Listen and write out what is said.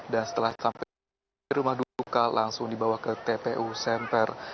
dan setelah sampai di rumah duka langsung dibawa ke tpu semper